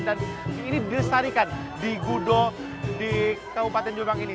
dan ini disarikan di gudow di kabupaten jolibang ini